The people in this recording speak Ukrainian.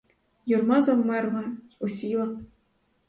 Юрма завмерла й осіла.